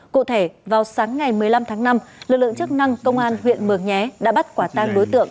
cụ thể vào sáng ngày một mươi năm tháng năm lực lượng chức năng công an huyện mường nhé đã bắt quả tang đối tượng